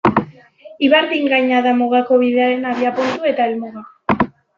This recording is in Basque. Ibardin gaina da Mugako Bidearen abiapuntu eta helmuga.